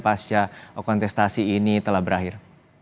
pasca kontestasi ini telah berakhir